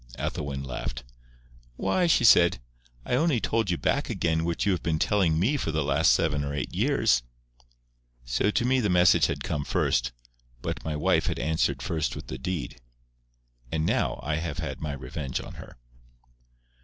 Ethelwyn laughed. "Why," she said, "I only told you back again what you have been telling me for the last seven or eight years." So to me the message had come first, but my wife had answered first with the deed. And now I have had my revenge on her.